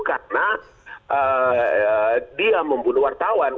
karena dia membunuh wartawan